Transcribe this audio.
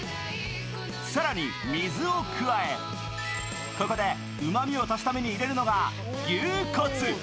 更に水を加え、ここでうまみを足すために入れるのが、牛骨。